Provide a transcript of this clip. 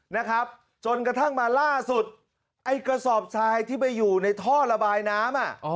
นะครับจนกระทั่งมาล่าสุดไอ้กระสอบทรายที่ไปอยู่ในท่อระบายน้ำอ่ะ